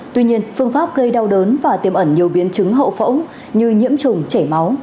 tuy nhiên phương pháp gây đau đớn và tiêm ẩn nhiều biến chứng hậu phẫu như nhiễm trùng chảy máu